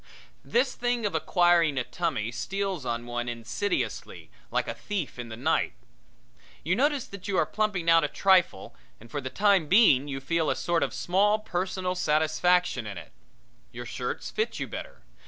This thing of acquiring a tummy steals on one insidiously, like a thief in the night. You notice that you are plumping out a trifle and for the time being you feel a sort of small personal satisfaction in it. Your shirts fit you better.